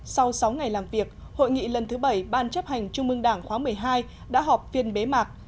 sau sáu ngày làm việc hội nghị lần thứ bảy ban chấp hành trung mương đảng khóa một mươi hai đã họp phiên bế mạc